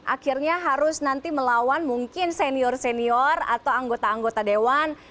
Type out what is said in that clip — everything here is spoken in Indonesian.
akhirnya harus nanti melawan mungkin senior senior atau anggota anggota dewan